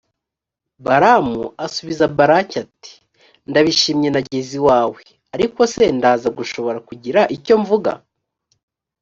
balamu asubiza balaki, ati «ndabishimye nageze iwawe, ariko se ndaza gushobora kugira icyo mvuga.